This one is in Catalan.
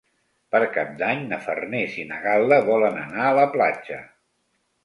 Per Cap d'Any na Farners i na Gal·la volen anar a la platja.